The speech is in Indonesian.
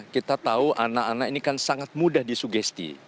kita tahu anak anak ini kan sangat mudah disugesti